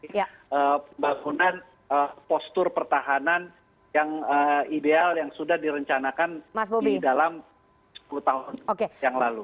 pembangunan postur pertahanan yang ideal yang sudah direncanakan di dalam sepuluh tahun yang lalu